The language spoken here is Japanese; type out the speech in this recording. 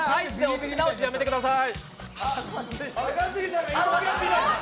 口直しやめてください。